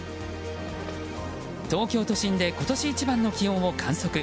東京都心で今年一番の気温を観測。